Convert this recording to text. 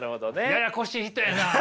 ややこしい人やな。